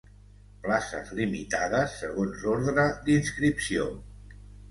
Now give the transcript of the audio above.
Places limitades segons ordre d'inscripció.